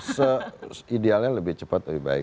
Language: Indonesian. se idealnya lebih cepat lebih baik